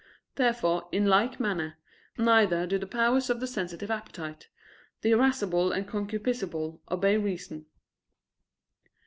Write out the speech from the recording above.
Therefore, in like manner, neither do the powers of the sensitive appetite, the irascible and concupiscible, obey reason.